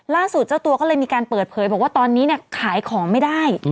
เจ้าตัวก็เลยมีการเปิดเผยบอกว่าตอนนี้เนี่ยขายของไม่ได้